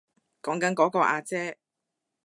講緊嗰個阿姐